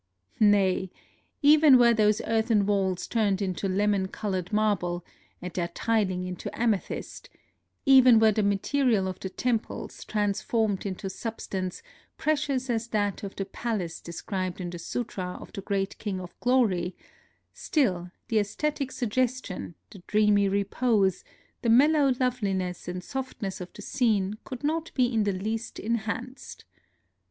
Nay ! even were those earthen walls turned into lemon colored marble, and their tiling into amethyst ; even were the material of the tem ples transformed into substance precious as that of the palace described in the Sutra of the Great King of Glory, — still the sesthetic suggestion, the dreamy repose, the mellow loveliness and softness of the scene, could not be in the least enhanced.